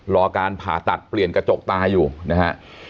รอการผ่าตัดเปลี่ยนกระจกตาอยู่นะฮะ